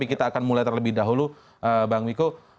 kita akan mulai terlebih dahulu bang miko